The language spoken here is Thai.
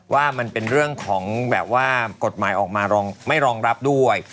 ว่ามันเป็นเรื่องของแบบว่ากฎหมายออกมาไม่รองรับด้วย